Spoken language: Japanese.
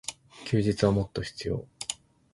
休日はもっと必要。